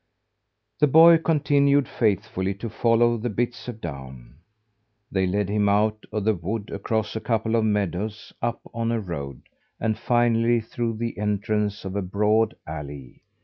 The boy continued faithfully to follow the bits of down. They led him out of the wood, across a couple of meadows, up on a road, and finally through the entrance of a broad allée.